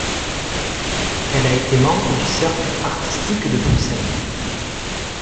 Elle a été membre du cercle artistique de Bruxelles.